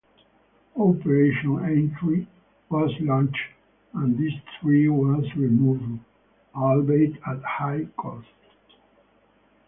Operation Aintree was launched and this threat was removed albeit at high cost.